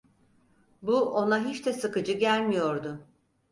Bu, ona hiç de sıkıcı gelmiyordu.